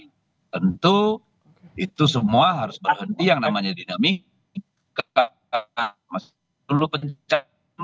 tentu itu semua harus berhenti yang namanya dinamika